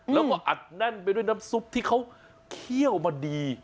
แล้วก็อัดแน่นไปด้วยน้ำซุปที่เขาเคี่ยวมาดี